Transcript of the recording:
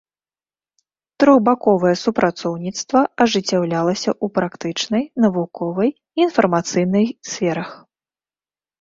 Трохбаковае супрацоўніцтва ажыццяўлялася у практычнай, навуковай і інфармацыйнай сферах.